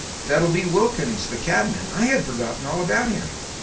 That'll be Wilkins, the cabman! I'd forgotten all about him.